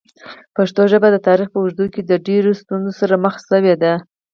پښتو ژبه د تاریخ په اوږدو کې ډېرو ستونزو سره مخ شوې ده.